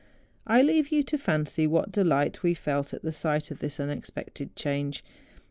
I leave you to fancy what de¬ light we felt at the sight of this unexpected change